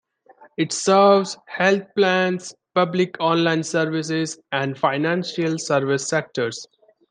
It serves health plans, public online services, and financial service sectors.